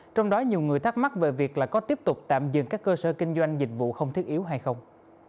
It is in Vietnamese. trong đó nhiều người thắc mắc về việc là có tiếp tục tạm dừng các cơ sở kinh doanh dịch vụ không thiết yếu hay không